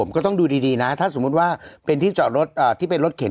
ก็ต้องดูดีนะถ้าสมมุติว่าเป็นที่จอดรถที่เป็นรถเข็น